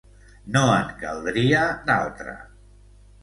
No en caldria d'altra!